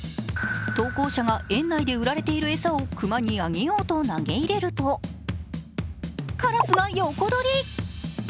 投稿者が園内で売られている餌を熊にあげようと投げ入れるとカラスが横取り！